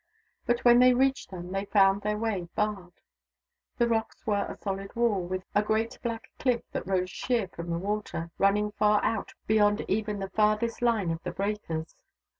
But when they reached them, they found their way barred. The rocks were a solid wall : a great black cliff that rose sheer from the water, running far out beyond even the farthest line of the breakers.